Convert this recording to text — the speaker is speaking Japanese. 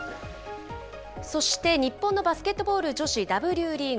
そして日本のバスケットボール女子、Ｗリーグ。